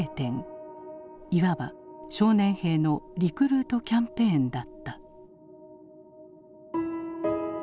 いわば少年兵のリクルート・キャンペーンだった。